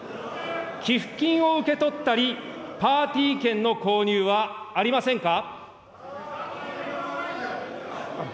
寄付金を受け取ったり、パーティー券の購入はありませんか。